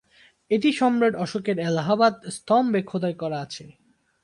এটি সম্রাট অশোকের এলাহাবাদ স্তম্ভে খোদাই করা আছে।